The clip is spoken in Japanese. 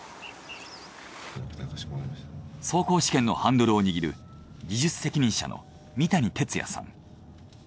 走行試験のハンドルを握る技術責任者の三谷哲也さん。